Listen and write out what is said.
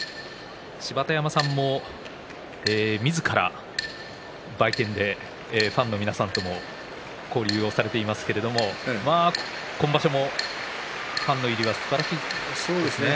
芝田山さんもみずから売店でファンの皆さんとも交流をされていますけれど今場所もファンの入りはすばらしいですね。